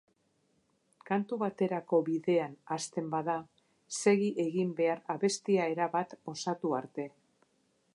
Kantu baterako bidean hasten bada, segi egin behar abestia erabat osatu arte.